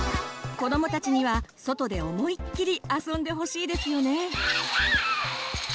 子どもたちには外で思いっきり遊んでほしいですよね。